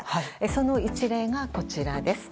その一例がこちらです。